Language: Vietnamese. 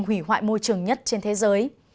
hủy hoại môi trường nhất trên thế giới